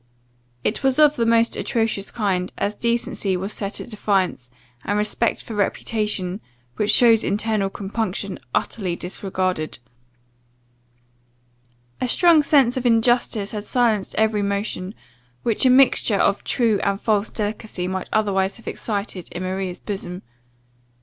It was of the most atrocious kind, as decency was set at defiance, and respect for reputation, which shows internal compunction, utterly disregarded." A strong sense of injustice had silenced every motion, which a mixture of true and false delicacy might otherwise have excited in Maria's bosom.